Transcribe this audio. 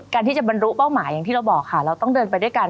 การที่จะบรรลุเป้าหมายอย่างที่เราบอกค่ะเราต้องเดินไปด้วยกัน